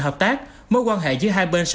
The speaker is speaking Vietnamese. hợp tác mối quan hệ giữa hai bên sẽ